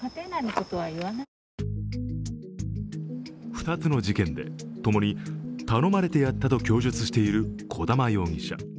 ２つの事件で、ともに頼まれたやったと供述している小玉容疑者。